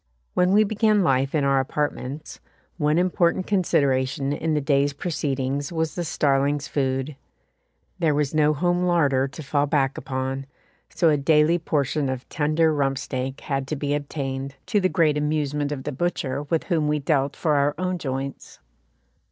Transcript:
When we began life in our apartments, one important consideration in the day's proceedings was the starling's food. There was no home larder to fall back upon, so a daily portion of tender rump steak had to be obtained, to the great amusement of the butcher with whom we dealt for our own joints.